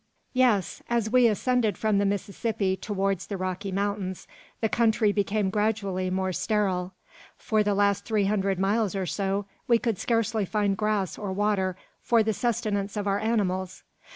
"Yes; as we ascended from the Mississippi towards the Rocky Mountains the country became gradually more sterile. For the last three hundred miles or so we could scarcely find grass or water for the sustenance of our animals.